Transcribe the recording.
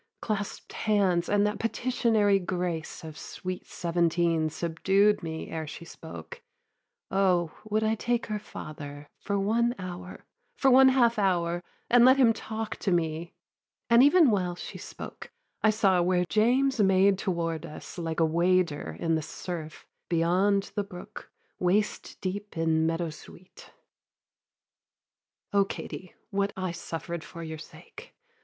(Claspt hands and that petitionary grace Of sweet seventeen subdued me ere she spoke) "O would I take her father for one hour, For one half hour, and let him talk to me!" And even while she spoke, I saw where James Made toward us, like a wader in the surf, Beyond the brook, waist deep in meadow sweet. 'O Katie, what I suffered for your sake!